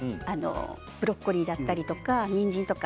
ブロッコリーだったりにんじんとか。